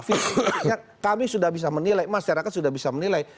kami sudah bisa menilai masyarakat sudah bisa menilai